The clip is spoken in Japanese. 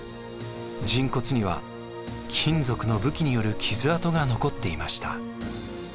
人骨には金属の武器による傷痕が残っていました。